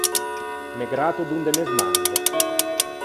Me gratto donde me smangia.